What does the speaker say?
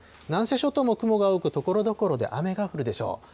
南西諸島も雲が多く、ところどころで雨が降るでしょう。